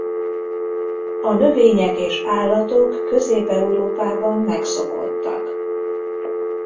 A növények és állatok Közép-Európában megszokottak.